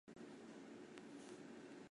节目筹集的资金全部捐献给了。